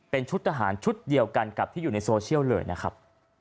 เป็นชุดทหารชุดเดียวกันกับที่อยู่ในโซเชียลเลยนะครับ